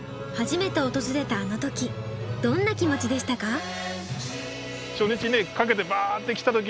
初めて訪れたあの時どんな気持ちでしたか？